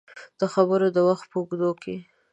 د خبرو د وخت په اوږدو کې